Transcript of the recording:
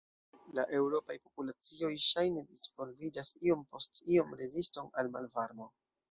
La eŭropaj populacioj ŝajne disvolvigas iom post iom reziston al malvarmo.